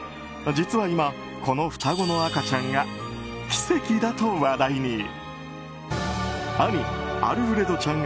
実は今、この双子の赤ちゃんが奇跡だと話題に。